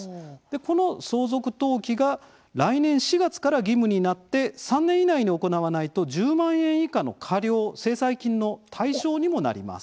この相続登記が来年４月から義務になって３年以内に行わないと１０万円以下の過料、制裁金の対象にもなります。